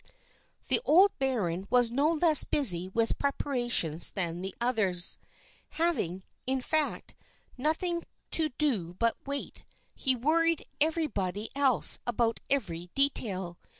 The old baron was no less busy with preparations than the others. Having, in fact, nothing to do but wait, he worried everybody else about every detail.